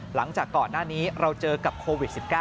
หลังจากก่อนหน้านี้เราเจอกับโควิด๑๙